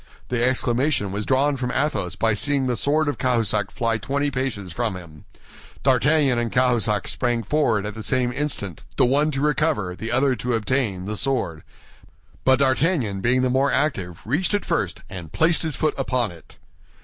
The exclamation was drawn from Athos by seeing the sword of Cahusac fly twenty paces from him. D'Artagnan and Cahusac sprang forward at the same instant, the one to recover, the other to obtain, the sword; but D'Artagnan, being the more active, reached it first and placed his foot upon it.